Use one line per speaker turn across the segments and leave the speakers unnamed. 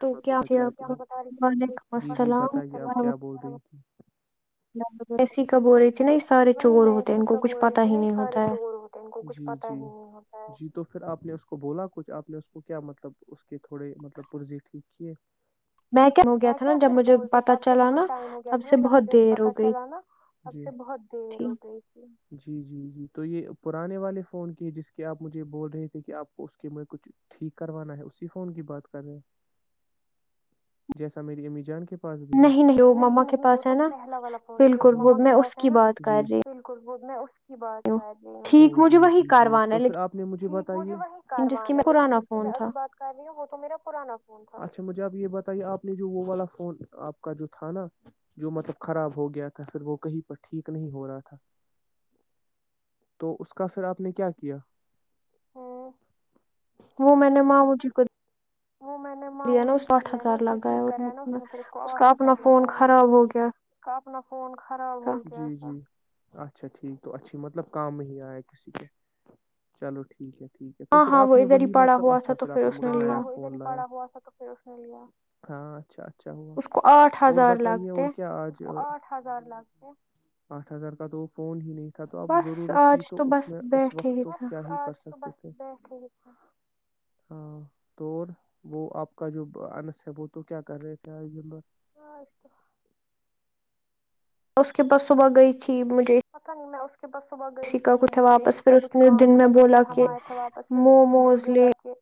تو کیا
میں
مجھے آپ کو
کیا
وعلیکم
جی جی بتائیے آپ کیا بول رہی تھی [unintelligible]
ل ایسی کا ب ہو رہی تھی نا یہ سارے چور ہوتے ہیں ان کو کچھ پتا ہی نہیں ہوتا ہے [unintelligible]
جی تو پھر آپ نے اس کو بولا کچھ آپ نے اس کو کیا مطلب اس کے تھوڑے مطلب پرز [unintelligible] ٹھیک ہے [inaudible]
ہو
[unintelligible]
گیا
میں
تھا نا
کیا
جب
پھر
مجھے
بولتی
پتا
تب سے
چلا نا
بہت ٹائم ہو گیا
تب
تھا نا
سے
جب
بہت
مجھے
دیر ہو
پتا
گئی
چلا نا اب سے بہت دیر
تھی
ہو گئی تھی جی جی جی [unintelligible] تو یہ پرانے والے فون کی ہیں جس کے آپ مجھے بول رہے تھے کہ آپ کو اس کے کچھ ٹھیک کروانا ہے اسی فون کی بات کر رہے ہیں [unintelligible] جیسا میری امی جان کے [unintelligible]
نہیں وہ مما
نہیں
کے
نہیں وہ
پاس ہے
تو
نا
پہلا والا فون ہے جو
بالکل وہ
ما کے
میں اس
پاس ہے
کی
نا
بات کر
جی
رہی
بالکل [unintelligible] بات
ہوں
کر رہی
ٹھیک
ہ
مجھے
جی
وہی
جی جی
کروانا ہے
توھر
لیکن
آپ نے مجھے بتا وہی
جس کی
کاروان ہے
میں
لیکن
پرانا
جس کی
فون
ابھی
تھا
بات کر رہی ہوں وہ تو میرا پرانا [unintelligible] اچھا مجھے اپ یہ بتائیے آپ نے جو وہ والا فون آپ کا جو تھا نا جو مطلب خراب ہو گیا تھا پھر وہ کہیں پر ٹھیک نہیں ہو رہا تھا تو اس کا پھر آپ نے کیا کیا [unintelligible]
وہ میں نے ماں مجھی کو [unintelligible]
وہ میں نے
دیا
مو
نا اس
کو
آٹھ
دیا نا
ہزار
اس نے
لگا ہے
ٹھیک کرایا نا
اور
اس پھر اس کو
کا
آٹھ
اپنا
ہزار
فون
لگا
خراب ہو گیا
کا اپنا فون خراب
تھا
ہو گیا [unintelligible] اچھا ٹھیک تو اچھی مطلب کام ہی آیا کسی کے چلو ٹھیک ہے [unintelligible]
ہاں
پھر
ہاں
آپ
وہ ادھر ہی پڑا ہوا تھا تو پھر اس نے لیا [unintelligible]
بڑا ہوا تھا تو پھر اس نے لیا ہاں [unintelligible] اچھا اچھا ہوا
اس کو آٹھ
اور
ہزار
بتائیے
لگتے
اور کیا آج [unintelligible] اٹھ ہزار لگ آٹھ ہزار کا تو وہ فون ہی نہیں [unintelligible] تھا تو اب
بس
ضرورت
آج
تھی تو اس
بس
میں اس
بیٹھے
وقت
ہی
تو
تھا
کیا ہی کر سکتے [unintelligible] [unintelligible] [unintelligible] تو وہ آپ کا جو انس ہے وہ تو کیا کر رہے تھے [unintelligible]
اس کے باس صبح گئی تھی [unintelligible] ج مجھے [unintelligible]
کہ بس صبح گئی
اسی کا
تھی
کچھ
مجھے
واپس
اسی
پھر
کا
اس
کچھ
نے
کام
دن میں
تھا تو
بولا
پھر ہم
کہ
آئے تھے واپس پھر اس نے اس دن
موموز لے
بولا کہ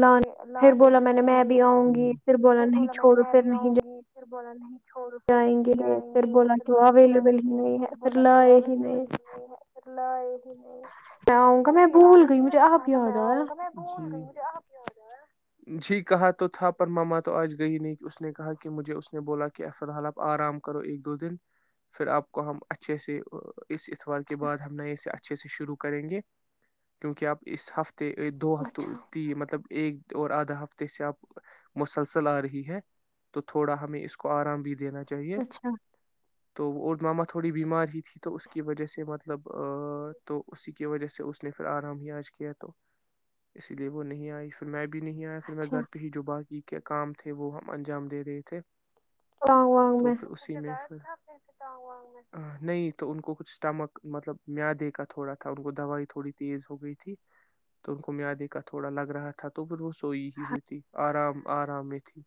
لان پھر
لانے
بولا میں نے
جائیں
میں بھی
گے
آؤں گی
پھر
نہیں
بولا میں نے
چھوڑو
میں
پھر
بھی
نہیں
آؤں گی [unintelligible] با نہیں [unintelligible] چھوڑ پھر
جائیں
نہیں جائیں گے
بولا
پھر
کہ وہ
بلا
اویلیبل
چلائیں
ہی
گے
نہیں
ھر
ہے پھر
بولا
لائے ہی نہیں
سھر لائے ہی
میں آؤں گا میں
تمی آ
بھول
گ
گئی
ت نے
مجھے
تو کہا
آپ
تھا میں
یاد آیا
آؤں گا میں بول گئی مے آ کیا جاا جی کہا تو تھا پر ماما تو آج گئی نہیں اس نے کہا کہ مجھے اس نے بولا کہ ا ف الحال آپ آرام کرو ایک دو دن پھر آپ کو ہم اچھے سے اس اتوار کے بعد ہم نئے اسے اچھے سے شروع کریں گے کیونکہ آپ اس ہفتے دو ہفتوں
اچھا
تھی مطلب ایک اور آدھا ہفتے سے آپ مسلسل آ رہی ہے تو تھوڑا ہمیں اس کو آرام بھی دینا چاہیے
اچھا
تو اور ماما تھوڑی بیمار ہی تھی تو اس کی وجہ سے مطلب تو اسی کی وجہ سے اس نے پھر آرام ہی آج کیا تو اسی لیے وہ نہیں آئی پھر میں بھی نہیں آیا پھر میں
اچھا
گھر پہ ہی ج با کی کے کام تھے وہ ہم انجام دے رہے تھے
وانگ وانگ
تو
میں
پھر اسی میں تا ہوا میں نہیں تو ان کو کچھ اسٹمک مطلب مدے کا تھوڑا تھا ان کو دوائی تھوڑی تیز ہو گئی تھی تو ان کو میادے کا تھوڑا لگ رہا تھا تو پھر وہ سوئی ہی ہوئی تھی آرام آرام میں تھی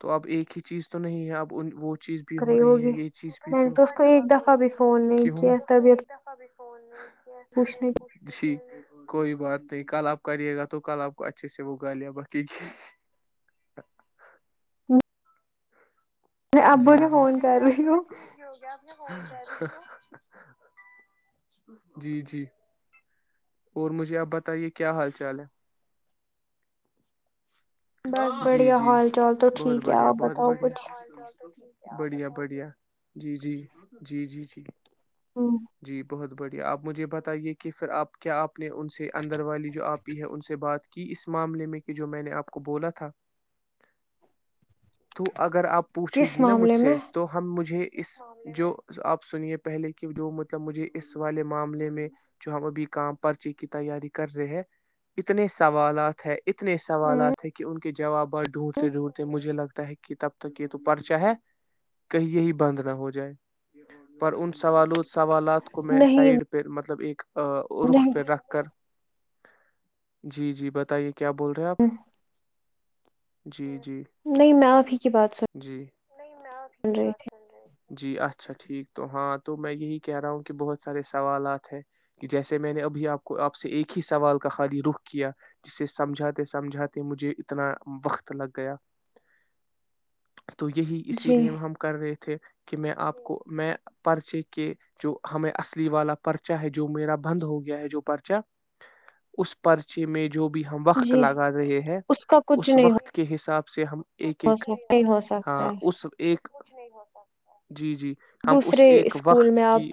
تو اب ایک ہی چیز تو نہیں ہے اب وہ چیز بھی
کر
ہو رہی ہے
ہوگی
یہ چیز بھی
میں نے تو اس کو ایک دفعہ ا بھی فون نہیں کیا طبیعت
ہو
پوچھنے
جی کوئی بات نہیں کل آپ کریے گا تو کل آپ کو اچھے سے وہگا لیا باق
میں آبو نے
جی
فون کری ہو
جی جی اور مجھے اب بتائیے کیا حال چال ہے
بس
جی
بڑھیا
جی
حال چال تو
بہت
ٹھیک ہے
بڑھیا
آپ
بہت
بتاؤ
بڑھیا
کچھ
بڑھیا بڑھیا جی جی جی جی جی جی بہت بڑھیا آپ مجھے بتائیے کہ پھر آپ کیا آپ نے ان سے اندر والی جو آپ ہی ہے ان سے بات کی اس معاملے میں کہ جو میں نے آپ کو بولا تھا تو اگر آپ پوچھے
کس
گی نا مجھ
معاملے
سے
میں
تو ہم مجھے اس جو آپ سنیے پہلے کہ جو مطلب مجھے اس والے معاملے میں جو ہم ابھی کام پرچی کی تیاری کر رہے ہیں اتنے سوالات ہے اتنے سوالات کہ ان کے جوابات ڈھونڈتے ڈھونڈتے مجھے لگتا ہے کہ تب تک یہ تو پرچا ہے کہیں یہی بند نہ ہو جائے پر ان سے سوال سوالات کو میں
نہیں
سائڈ پہ مطلب ایک رخ
نہیں
پہ رکھ کر جی جی بتائیے کہ کیا بول رہے آپ [unintelligible]
نہیں میں آپ ہی کی بات سن رہی
[unintelligible] تو ہاں تو میں یہی کہہ رہا ہوں کہ بہت سارے سوالات ہیں کہ جیسے میں نے ابھی آپ کو آپ سے ایک ہی سوال کا خالی رخ کیا جسے سمجھاتے سمجھاتے کہ مجھے اتنا وقت لگ گیا تو یہی
تھی
اسی
جی
لیے ہم کر رہے تھے کہ میں آپ کو میں پرچے کے جو ہمیں اصلی والا پرچا ہے جو میرا بند ہو گیا ہے جو پرچا اس پرچے میں جو بھی ہم وقت
جی
لگا رہے ہیں
اس کا کچھ
اس
نہیں ہو
وقت کے حساب سے ہم ایک ایک
سکتا نہیں ہو سکتا
ہاں
ہے
اسب ایک جی جی ہم اس
دوسرے
ایک
اسکول
وقت
میں آپ
کی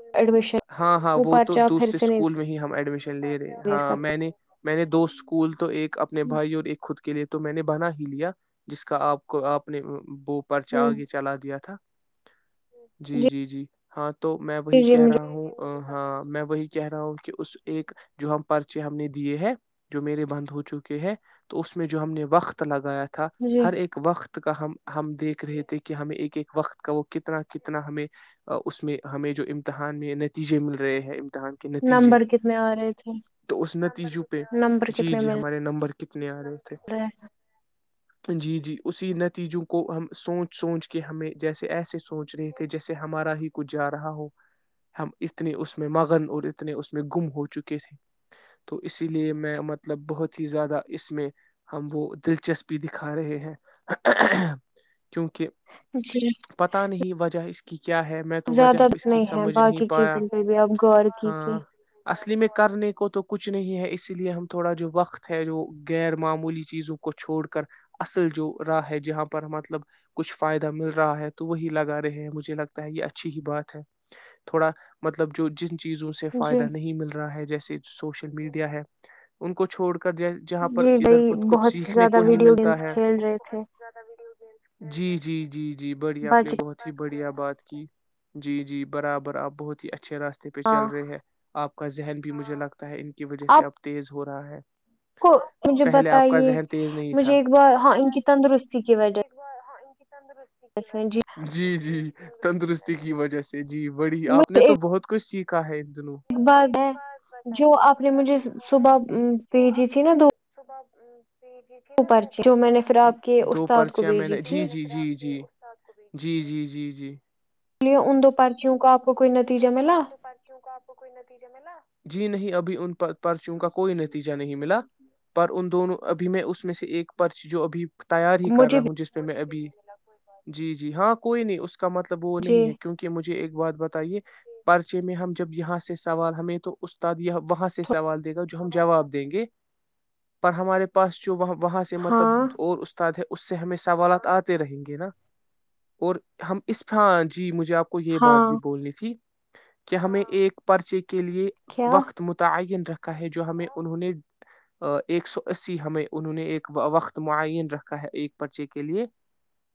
ایڈمیشن
ہاں ہاں وہ تو
پرچہ پھر
دوسرے
سے نہیں
اسکول میں ہی ہم ایڈمیشن لے رہے
دے
ہاں میں
سکتے
نے میرے دوست کول تو ایک اپنے بھائی اور ایک خود کے لیے تو میں نے بنا ہی لیا جس کا آپ کو آپ نے بو پرچہ
ہ
آگے چلا دیا تھا جی جی جی ہاں تو میں
جی
وہی
جی
کہہ رہا
مجھے
ہوں ہاں میں وہی کہہ رہا ہوں کہ اس ایک جو ہم پرچے ہم نے دیے ہے جو میرے بند ہو چکے ہیں تو اس میں جو ہم نے وقت لگ گیا تھا
جی
ہر ایک وقت کا ہم ہم دیکھ رہے تھے کہ ہمیں ایک ایک وقت کا وہ کتنا کتنا ہمیں اس میں ہمیں جو امتحان میں نتیجے مل رہے ہیں امتحان کے نتیجے
نمبر کتنے آ رہے تھے
تو اس نتیجوں پہ
نمبر
جی
کتنے
جی
مل
ہمارے نمبر کتنے آ رہے تھے
رہے
جی جی اسی نتیجوں کو ہم سوچ سوچ کے ہمیں جیسے ایسے سوچ رہے تھے جیسے ہمارا ہی کچھ جا رہا ہو ہم اتنے اس میں مگن اور اتنے اس میں گم ہو چکے تھے تو اسی لیے میں ما مطلب بہت ہی زیادہ اس میں ہم وہ دلچسپی دکھا رہے ہیں کیونکہ
جی
پتا نہیں وجہ اس کی کیا ہے میں تو وجہ
زیادہ
اس کی
نہیں ہے
سمجھ نہیں
باقی
پایا
چیزوں پہ بھی آپ غور کیجیے
ہاں اصل میں کرنے کو تو کچھ نہیں ہے اسی لیے ہم تھوڑا جو وقت ہے جو غیر معمولی چیزوں کو چھوڑ کر اصل جو راہ ہے جہاں پر مطلب کچھ فائدہ مل رہا ہے تو وہی لگا رہے ہیں مجھے لگتا ہے یہ اچھی ہی بات ہے تھوڑا مطلب جو جن چیزوں سے
جی
فائدہ نہیں مل رہا ہے جیسے سوشل میڈیا ہے ان کو چھوڑ کر جہ- جہاں پر
جی بھائی
ادھر پر کچھ
بہت
سیکھنے
زیادہ
کو ہی
ویڈیو
ملتا
گیمس
ہے
کھیل رہے تھے
جی جی جی جی بڑھیا اپپ نے
بچ
بہت ہی بڑھیا بات کی جی جی برابر آپ بہت ہی اچ اچھے راستے پہ
ہاں
چل رہے ہیں آپ کا ذہن بھی مجھے لگ تا ہے ان کی وجہ سے
آپ
اب تیز ہو رہا ہے
کو مجھے
پہلے آپ کا
بتائیے
ذہن تیز نہیں تھا
مجھے ایک بار ہاں ان کی تندرستی کی وجہ
تندرست کی وجہ جی جی تندرستی کی وجہ سے جی بڑی آپ نے
مجھے
تو بہت کچھ سیکھ قد
ایک بار ہے جو آپ نے مجھے صبح ا پ جی تھی نا دو پرچی جو میں نے
دوچیا
پھر آپ کے
دو
استاد کو
پرچیاں میں نے
بھیجی
جی
تھی اس
جی جی جی جی جی جی جی جی
لیے ان دو پرچیوں کو کوئی
مجھے
نتیجہ
بولیے
ملا
ان دوپاچوں کا آپ کو کوئی نتیجے میںلا جی نہیں ابھی ان پرچیوں کا کوئی نتیجہ نہیں ملا پر ان دونوں ابھی میں اس میں سے ایک پرچی جو ابھی تیار ہی کر
مجھے
رہا ہوں جس پہ میں ابھی جی جی ہاں کوئی نہیں اس کا مطلب وہ
جی
نہیں ہے کیونکہ مجھے ایک بات ب پرچے میں ہم جب یہاں سے سوال ہمیں تو استاد وہاں سے سوال دے گا جو ہم جواب دیں گے پر ہمارے پاس وہاں وہاں سے مطلب
ہاں
اور استاد ہے اس سے ہمیں سوالات آتے رہیں گے نا اور ہم اسفان جی مجھے آپ کو یہ بات
ہاں
بھی بوللی تھی کہ ہمیں ایک پرچے کی کے لئے
کیا
وقت متعین رہ جو ہمیں انہوں نے ایک سو اسی ہمیں انہوں نے ایک وقت مععین رکھا ہے ایک پرچے کے لیے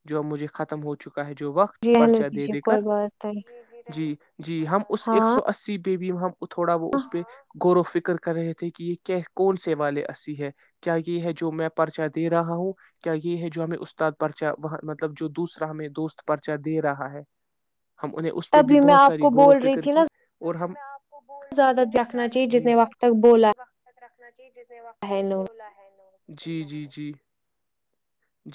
جو اب مجھے ختم ہو چکا ہے جو وقت
جی ہیلو
پرچہ دے
دیجیے
دے
کوئی
کر
بات نہیں
جی جی ہم اس ایک سو
ہاں
اسی پ بھی ہم تھوڑا وہ اس پہ غور و فکر کر رہے تھے کہ یہ کون سے والے اسی ہے کیا یہ ہے جو میں پرچا دے رہا ہوں کیا یہ ہے جو ہمیں استاد پرچا وہ مطلب جو دوسرا ہمیں دوست پرچا دے رہا ہے ہم انہیں پہ بھی
تبھی میں
بہت
آپ
ساری
کو
غور و
بول رہی
فکر
تھی
کی
نا
اور ہم
زیادہ دیکھنا چاہیے جتنے وقت تک بولا
ج جنے وق
ہے انہوں نے
بلا ہے ن جی جی جی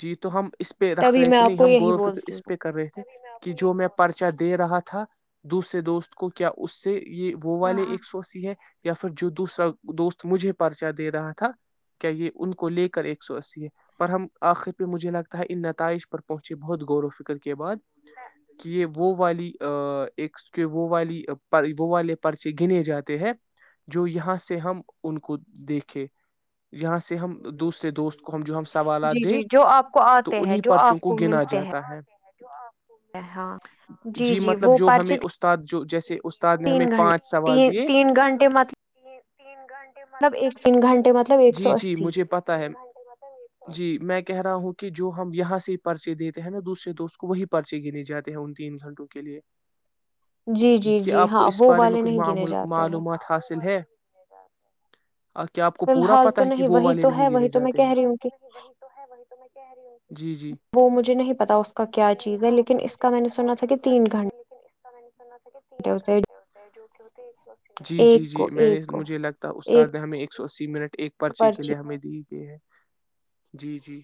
جی تو ہم اس پہ رکھ
تبھی
رہے
میں
تھے
آپ
نہیں
کو
ہم
یہی
ور و فکر
بولتی
اس
ہوں
پہ کر رہے تھے کہ جو میں پرچہ دے رہا تھا تھا دوسرے دوست کو کیا اس سے یہ وہ
ہاں
والے
ہاں
ایک سو سی ہے یا پھر جو دوسرا دوست مجھے پرچہ دے رہا تھا کیا یہ ان کو لے کر ایک سو اسی ہے پر ہم آخر پہ مجھے لگتا ہے ان نتائج پر پہنچے بہت غور و فکر کے بعد کہ یہ وہ والی ایک کہ وہ والی وہ والے پرچے گنے جاتے ہیں جو یہاں سے ہم ان کو دیکھے یہاں سے ہم دوسرے دوست ہم جو ہم سوالات
جی
دیں
جی جو آپ کو
تو
آتے ہیں
انہیں
جو
پرچوں
آپ
کو گنا
ملتے
جاتا
ہیں
ہے تو آ [inaudible]
ہاں
جی مطلب جو ہمیں استاد جو جیسے استاد نے
تین
ہمیں پانچ
گھنٹے
سوال دیے
تین گھنٹے مطلب ایک تین گھنٹے مطلب ایک
جی
سو
جی
اسی
مجھے پتا ہے جی میں کہہ رہا ہوں کہ جو ہم یہاں سے ہی پرچے دیتے ہیں نا دوسرے دوست کو وہی پرچے گرنے جاتے ہیں ان تین گھنٹوں کے لیے
جی
[inaudible] کہ
جی
کیا
جی
آپ کو
ہاں
اس
وہ
بارے میں
والے
کچھ
نہیں
مع
گنے جاتے ہیں
معلومات حاصل ہے [inaudible] کو
فی
پورا
الحال تو
پتا ہے کہ
نہیں
وہ
وہی
والے
تو
نہیں
ہے
گنے
وہی تو میں
جاتے ہیں
کہہ رہی
حال
ہوں کہ
ہوں
وہ مجھے نہیں پتا اس کا کیا چیز ہے لیکن اس کا میں نے سنا تھا کہ تین
ج ب [unintelligible] س [inaudible] گھ
گھنٹے ہوتے ہیں
جی جی
ایک
جی
کو
میں نے
ایک کو
مجھے لگتا استاد نے ہمیں ایک سو اسی منٹ ایک پرچے کے
پرچی
لیے ہمیں دی یہ ہے جی جی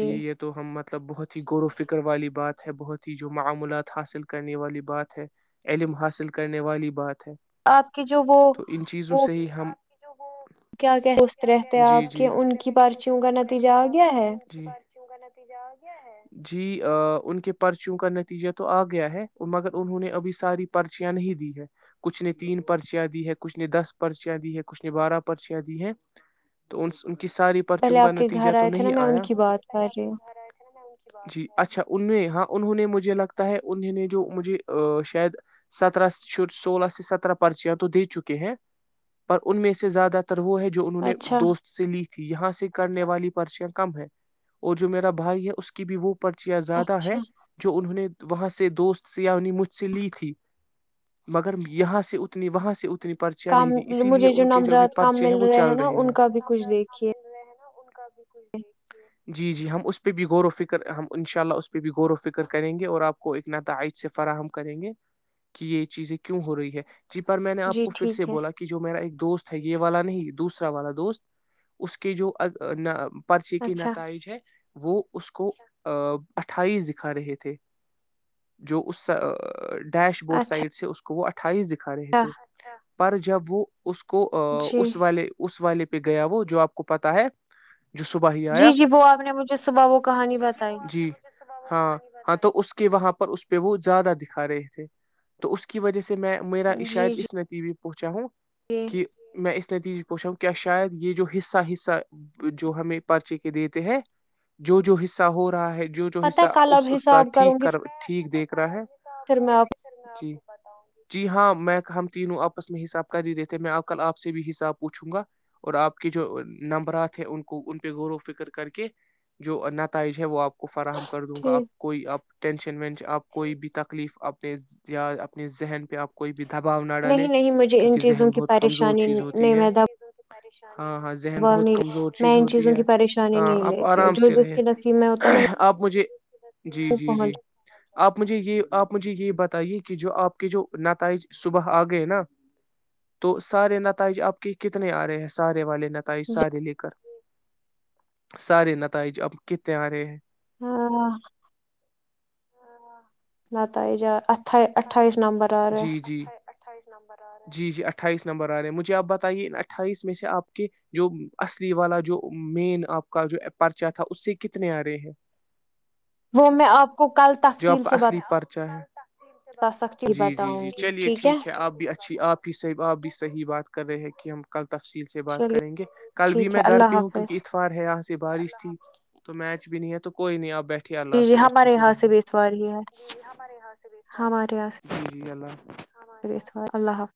جی یہ تو ہمت مطلب بہت ہی غور و فکر والی بات ہے بہت ہی جو معملات حاصل کرنے والی بات ہے علم حاصل کرنے والی بات ہیں
آپ کی جو وہ
تو ان چیزوں
وہ
سے ہی ہم کی جو وہ
کیا کہ سست رہتے آپ کہ ان کی پرارچیوں کا نتیجہ آ گیا ہے
جی ان کے پرچیوں کا نتیجہ تو آ گیا ہے اور مگر انہوں نے ابھی ساری پرچیاں نہیں دی ہے کچھ نے تین پرچیاں دی ہے کچھ نے دس پرچیاں دی ہیں کچھ نے بارہ پرچیاں دی ہیں تو کی ساری
پہلے
پرچوں کا
آپ کے
نتیجہ
گھر
تو
آئے تھے نا
نہیں
میں ان
آیا
کی
تھوڑی دیر
بات کر رہی ہوں
جی اچھا ان میں ہاں انہوں نے مجھے لگتا ہے انہوں نے جو مجھے شاید سترہ سولہ سے سترہ پرچیاں تو دے چکے ہیں پر ان میں سے زیادہ وہ ہے جو انہوں نے
اچھا
دوست سے لی یہاں سے کرنے والی پرچیاں کم ہے اور جو میرا بھائی ہے اس کی بھی وہ پرچیاں زیادہ ہے
اچھا
جو انہوں نے وہاں سے دوست سیانی مجھ سے لی تھی مگر یہاں سے اتنی وہاں سے اتنی پرچیاں
کام
نہیں دی اسی لیے
مجھے جو
ان کے بھی
نمرات کام
پرچے
مل
وہ
رہے
چل
ہیں نا ان کا بھی کچھ
نمبرات
دیکھیے
جی جی ہم اس پہ بھی غور و فکر ہم ان شاء اللہ اس پہ بھی غور و فکر کریں گے اور آپ کو ا نتائج سے فراہم کریں گے کہ یہ چیزیں کیوں ہو رہی ہے جی پر میں نے آپ
جی
کو پھر سے
ٹھیک ہے
بولا کہ جو میرا ایک دوست یہ والا نہیں دوسرا والا دوست اس کے جو پرچی کی
اچھا
نتائج ہے وہ اس کو کو اٹھائیس دکھا رہے تھے جو اس ڈیش بورڈ سائڈ
اچھا
سے اس وہ اٹھائیسک کھا رہے تھے پر جب وہ اس کو
جی
اس والے اس والے پہ گیا وہ جو آپ کو پتا ہے جو صبح ہی
جی
آیا
جی وہ آپ نے مجھے صبح وہ کہانی بتائی
جی ہاں ہاں تو اس کہ وہاں پر اس پہ وہ زیادہ دکھا رہے تھے تو اس کی وجہ سے میں میرا
جی
شاید
جی
اس نتییبی پر پوچھا ہوں
جی
کہ میں اس نتیج پوچھا ہوں کیا شاید یہ جو حصہ حصہ جو ہمیں پرچے کے دیتے ہیں جو جو حصہ ہو رہا ہے جو جو
پتا
حصہ
ہے کلب
اس استاد
حساب کروں
ٹھیک
گی
کر ٹھیک دیکھ رہا ہے تو آاب
پھر میں
کروں
آپ
گی سرچ [unintelligible] جی ہاں میں ہم تینوں آپس میں حساب کر ہی دیتےے میں کل آپ سے بھی حساب پوچھوں گا اور آپ کے جو نمبرات ہیں ان کو ان پہ غور و فکر کر کے جو نتائج ہے وہ آپ کو فراہم کر دوں گا آپ
ٹھیک
کوئی آپ ٹینشن وینشن آپ کوئی بھی تکلیف اپنے یا اپنے ذہن پہ آپ کوئی دباؤ نہ ڈالے
نہیں نہیں مجھے
کیوںک
ان چیزوں
ذہن
کی
بہت کمزور
پریشانی
چیز ہوتی
نہیں
ہے
میں
ہاں ہاں ذہن
دباؤ
بہت
نہیں
کمزور
میں
چیز
ان
ہوتی
چیزوں
ہے
کی پریشانی
ہاں
نہیں
آپ
لیتی اور
آرام
جو
سے
جس کے نصیب میں ہوتا ہے نا
رہیں آپ مجھے جی
وہ
جی جی
پہنچ
آپ مجھے یہ آپ مجھے یہ بتائیے کہ جو آپ کے جو نتائج صبح آ گئے نا تو سارے نتائج آپ کے کتنے آ رہے ہیں سارے والے نتائج سارے لے کر سارے نتائج اب کتنے آ رہے ہیں
ہاں
ہ [unintelligible]
بتا ہے جا [inaudible]
جی جی اٹھس نمبر جی جی اٹھائیس نمبر آ رہے ہیں مجھے آپ بتائیے اٹھائیس میں سے آپ کے جو اصلی والا جو مین آپ کا جو پرچا تھا اس سے کتنے آ رہے ہیں
وہ میں آپ کو کل
جو آپ
تفصیل
کا میں
سے
اصلی
بتاؤں
پرچہ ہے
سکتی
جی جی جی چلیے ٹھیک ہے آپ بھی اچھی آپ ہی صحیح آپ بھی صحیح بات کر رہے ہیں کہ ہم کل تفصیل سے بات
چلیے
کریں گے کل بھی
ٹھیک
میں
ہے
گھر
اللہ
پہ ہوں کیونکہ
حافظ
اتوار ہے یہاں سے بارش تھی تو میں بھی نہیں ہے تو کوئی نہیں آپ بیٹھ اللہ
جی جی
حافظ اچھے
ہمارے
سے
یہاں
رہی ہمے یہاں سے
ہم ہمارے یہاں سے
ی الا
خ اللہ حافظ